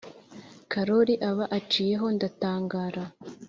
korori aba aciyeho ndatangara